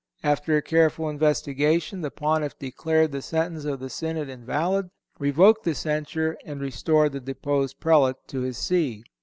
After a careful investigation, the Pontiff declared the sentence of the Synod invalid, revoked the censure, and restored the deposed Prelate to his See.